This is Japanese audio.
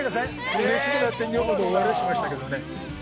うれしくなって女房と大笑いしましたけどね。